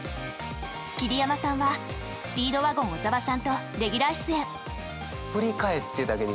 桐山さんはスピードワゴン小沢さんとレギュラー出演。